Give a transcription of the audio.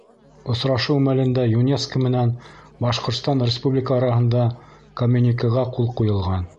Осрашыу мәлендә ЮНЕСКО менән Башҡортостан Республикаһы араһында коммюникеға ҡул ҡуйылған.